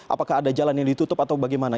apakah ada jalan yang ditutup atau bagaimana